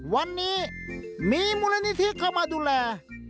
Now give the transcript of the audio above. วันนี้มีมูลนิธิเข้ามาดูแล